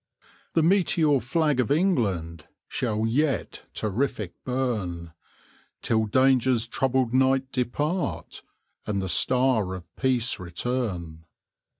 The meteor flag of England Shall yet terrific burn, Till danger's troubled night depart And the star of peace return.